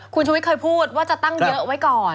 คุณชุวิตเคยพูดว่าจะตั้งเยอะไว้ก่อน